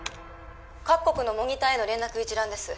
各国のモニターへの連絡一覧です